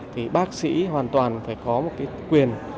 thì bác sĩ hoàn toàn phải có một cái quyền